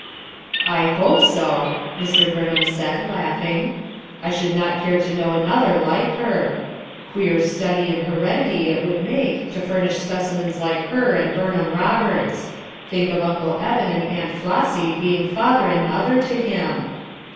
"I hope so!" Mr. Burnham said, laughing. "I should not care to know another like her. Queer study in heredity it would make to fur nish specimens like her and Burnham Roberts; FOUR MOTHERS AT CHAUTAUQUA 17 think of Uncle Evan and Aunt Flossy being father and mother to him!"